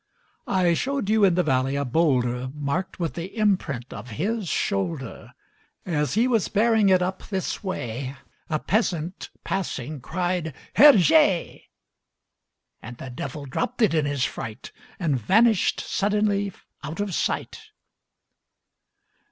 I showed you in the valley a bowlder Marked with the imprint of his shoulder; As he was bearing it up this way, A peasant, passing, cried, "Herr Je! And the Devil dropped it in his fright, And vanished suddenly out of sight!